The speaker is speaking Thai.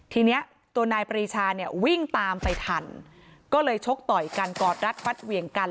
ทีนี้ตัวนายปรีชาเนี่ยวิ่งตามไปทันก็เลยชกต่อยกันกอดรัดฟัดเหวี่ยงกัน